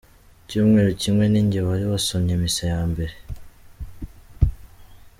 Icyumweru kimwe ninjye wari wasomye misa ya mbere.